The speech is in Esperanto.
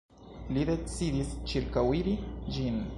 Li decidis ĉirkaŭiri ĝin.